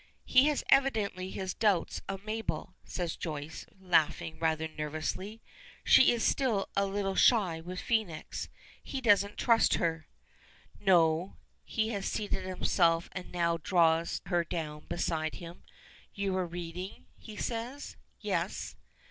"He has evidently his doubts of Mabel," says Joyce, laughing rather nervously. She is still a little shy with Felix. "He doesn't trust her." "No." He has seated himself and now draws her down beside him. "You were reading?" he says. "Yes."